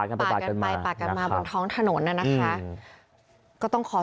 จังหวะเดี๋ยวจะให้ดูนะ